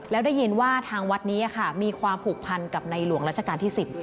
แล้วได้ยินว่าทางวัดนี้มีความผูกพันกับในหลวงราชการที่๑๐